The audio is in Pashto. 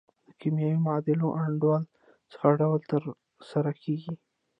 د کیمیاوي معادلو انډول څه ډول تر سره کیږي؟